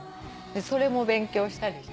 それも勉強したりして。